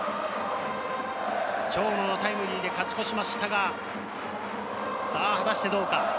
長野のタイムリーで勝ち越しましたが、さぁ果たしてどうか？